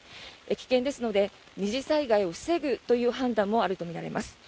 危険ですので二次災害を防ぐという判断もあるとみられます。